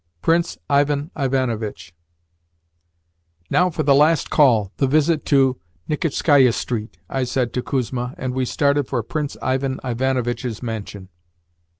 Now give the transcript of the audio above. PRINCE IVAN IVANOVITCH "Now for the last call the visit to Nikitskaia Street," I said to Kuzma, and we started for Prince Ivan Ivanovitch's mansion.